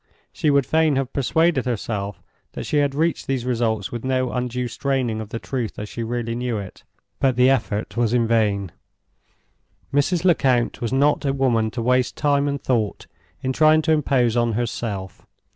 She would fain have persuaded herself that she had reached these results with no undue straining of the truth as she really knew it, but the effort was in vain. Mrs. Lecount was not a woman to waste time and thought in trying to impose on herself.